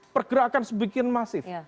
pergerakan sebegini masif